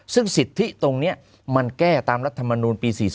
ซึ่งสิทธิตรงนี้มันแก้ตามรัฐมนูลปี๔๔